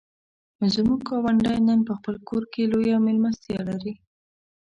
زموږ ګاونډی نن په خپل کور کې لویه مېلمستیا لري.